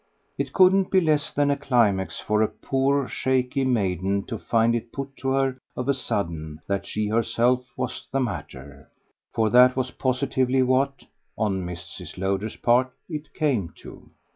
It couldn't be less than a climax for a poor shaky maiden to find it put to her of a sudden that she herself was the matter for that was positively what, on Mrs. Lowder's part, it came to.